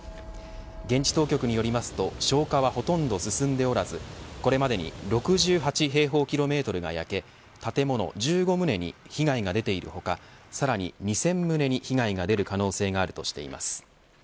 現地当局によりますと消火は、ほとんど進んでおらずこれまでに６８平方キロメートルが焼け建物１５棟に被害が出ている他さらに２０００棟に被害が出る可能性があるとしています。